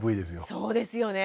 そうですよね。